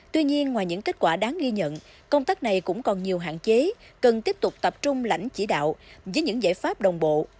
tuy nhiên ngoài những kết quả đáng ghi nhận công tác này cũng còn nhiều hạn chế cần tiếp tục tập trung lãnh chỉ đạo với những giải pháp đồng bộ